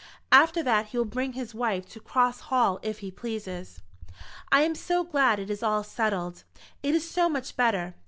After that he will bring his wife to Cross Hall if he pleases." "I am so glad it is all settled; it is so much better.